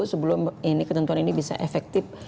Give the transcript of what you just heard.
sebelum ketentuan ini bisa efektif